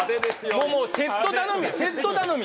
もうセット頼みセット頼み！